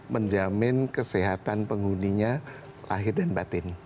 menjamin kesehatan penghuninya lahir dan batin